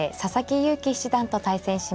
勇気七段と対戦します。